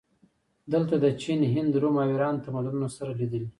دلته د چین، هند، روم او ایران تمدنونه سره لیدلي